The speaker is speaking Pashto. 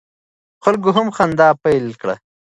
خلک هم خندا پیل کړه.